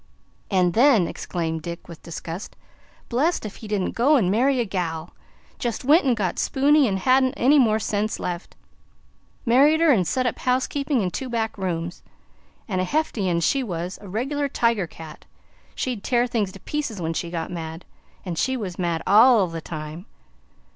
"And then," exclaimed Dick with disgust, "blest if he didn't go an' marry a gal! Just went and got spoony an' hadn't any more sense left! Married her, an' set up housekeepin' in two back rooms. An' a hefty un she was, a regular tiger cat. She'd tear things to pieces when she got mad, and she was mad ALL the time.